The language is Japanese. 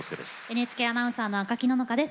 ＮＨＫアナウンサーの赤木野々花です。